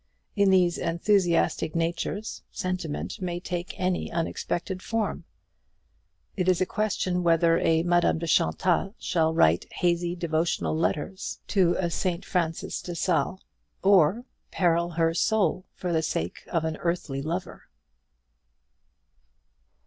In these enthusiastic natures sentiment may take any unexpected form. It is a question whether a Madame de Chantal shall write hazy devotional letters to a St. Francis de Sales, or peril her soul for the sake of an earthly lover.